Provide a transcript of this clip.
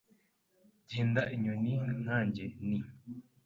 Genda inyoni nkanjye nti